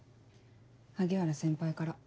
萩原先輩から。